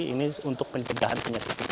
ini untuk pencegahan penyakit